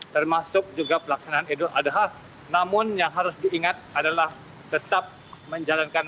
termasuk juga pelaksanaan idul adha namun yang harus diingat adalah tetap menjalankan